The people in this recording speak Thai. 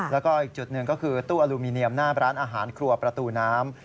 แล้วก็อีกจุดหนึ่งก็คือตู้อลูมิเนียมหน้าร้านอาหารครัวประตูน้ำ